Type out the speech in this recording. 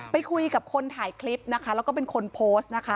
ไปคุยกับคนถ่ายคลิปนะคะแล้วก็เป็นคนโพสต์นะคะ